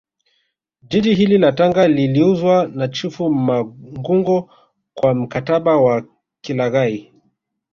Jiji hili la Tanga liliuzwa na chifu mangungo kwa mkataba wa kilaghai